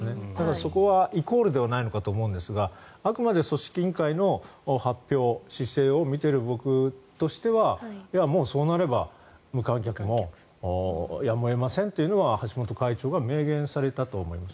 そこはイコールではないのかと思うんですがあくまで組織委員会の発表姿勢を見ている僕としてはそうなれば無観客もやむを得ませんというのは橋本会長が明言されたと思います。